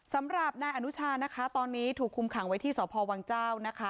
สำหรับนายอนุชานะคะตอนนี้ถูกคุมขังไว้ที่สพวังเจ้านะคะ